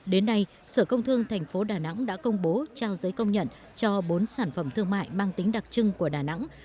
đến nay sở công thương tp đà nẵng đã công bố trao giấy công nhận cho bốn sản phẩm thương mại mang tính đặc trưng của đà nẵng